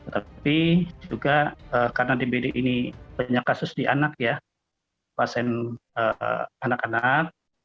tapi juga karena dbd ini banyak kasus di anak ya pasien anak anak